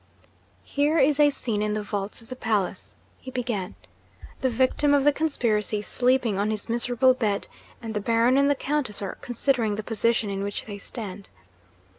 'Here is a scene in the vaults of the palace,' he began. 'The victim of the conspiracy is sleeping on his miserable bed; and the Baron and the Countess are considering the position in which they stand.